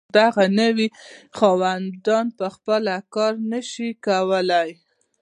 دغه نوي خاوندان په خپله کار نشو کولی.